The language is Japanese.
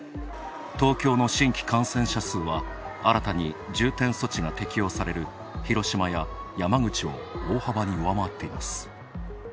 東京の新規感染者数は新たに重点措置が適用される広島や山口を大幅に上回っています。